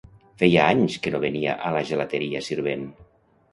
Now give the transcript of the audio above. Feia anys que no venia a la gelateria Sirvent.